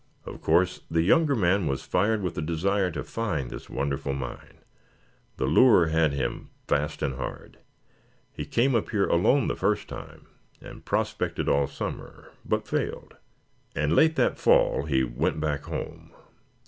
Of course, the younger man was fired with the desire to find this wonderful mine. The lure had him fast and hard. He came up here alone the first time and prospected all summer, but failed, and late that fall he went back home.